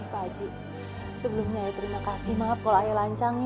pak haji sebelumnya ya terima kasih maaf kalau ayah lancang